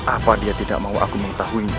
apa dia tidak mau aku mengetahuinya